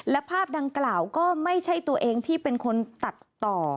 และภาพดังกล่าวก็ไม่ใช่ตัวเองที่เป็นคนตัดต่อ